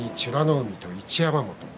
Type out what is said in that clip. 海と一山本。